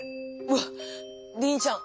わっリンちゃん